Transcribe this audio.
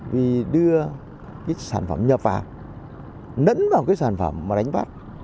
vì đưa cái sản phẩm nhập vào nẫn vào cái sản phẩm mà đánh bắt